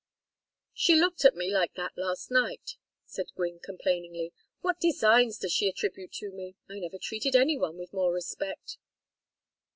"She looked at me like that last night," said Gwynne, complainingly. "What designs does she attribute to me? I never treated any one with more respect."